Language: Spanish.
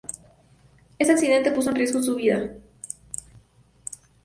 Este accidente puso en riesgo su vida.